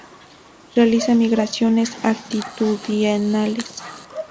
Realiza migraciones altitudinales.